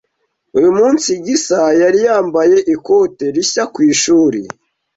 Uyu munsi, Gisa yari yambaye ikote rishya ku ishuri.